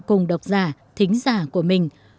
cùng đọc giả thính giả của mình